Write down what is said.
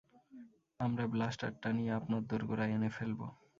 আমরা ব্লাস্টারটা নিয়ে আপনার দোরগোড়ায় এনে ফেলবো।